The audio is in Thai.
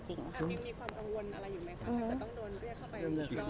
ถ้ามีความกังวลอะไรอยู่ไหมคะถ้าจะต้องโดนเรียกเข้าไป